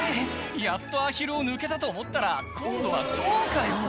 やっとアヒルを抜けたと思ったら今度はゾウかよ